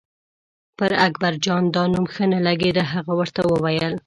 پر اکبرجان دا نوم ښه نه لګېده، هغه ورته وویل.